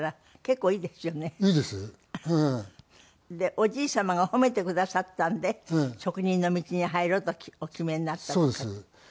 おじい様が褒めてくださったんで職人の道に入ろうとお決めになったとか。